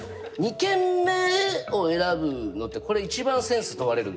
２軒目を選ぶのってああ。